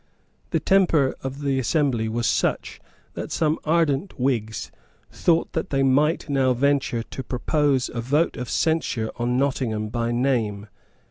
The temper of the assembly was such that some ardent Whigs thought that they might now venture to propose a vote of censure on Nottingham by name.